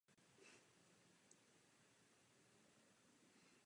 Do dnešní doby se dochovaly dva nejmenší zvony.